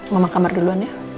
mama kamar duluan ya